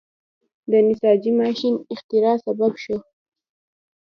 د نساجۍ ماشین اختراع سبب شو.